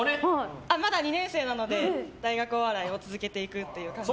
まだ２年生なので大学お笑いを続けていく感じです。